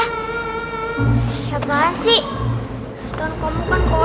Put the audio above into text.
hai pokok ah